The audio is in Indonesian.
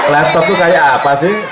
laptop itu kayak apa sih